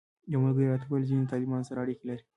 یو ملګري راته وویل ځینې د طالبانو سره اړیکې لري.